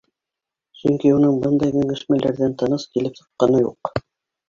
Сөнки уның бындай кәңәшмәләрҙән тыныс килеп сыҡҡаны юҡ.